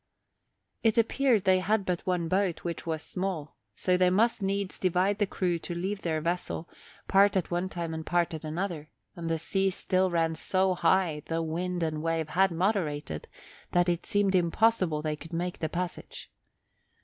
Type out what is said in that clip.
It appeared they had but one boat, which was small, so they must needs divide the crew to leave their vessel, part at one time and part at another; and the seas still ran so high, though wind and wave had moderated, that it seemed impossible they could make the passage.